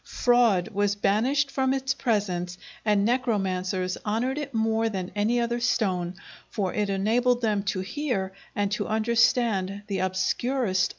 Fraud was banished from its presence and necromancers honored it more than any other stone, for it enabled them to hear and to understand the obscurest oracles.